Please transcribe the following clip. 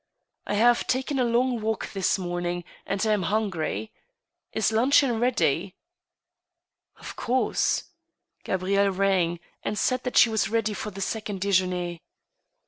" I have taken a long walk this morning, and am hungry. , Is luncheon ready ?"" Of course." Gabrielle rang, and said that she was ready for the second dd" jeuner.